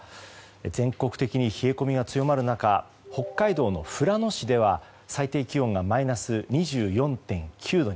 全国的に冷え込みが強まる中北海道の富良野市では最低気温がマイナス２４．９度に。